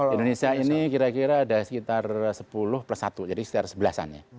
di indonesia ini kira kira ada sekitar sepuluh plus satu jadi sekitar sebelasan ya